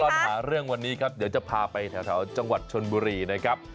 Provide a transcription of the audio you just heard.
มหาเรื่องวันนี้ครับเดี๋ยวจะพาไปแถวจังหวัดชนบุรีนะครับ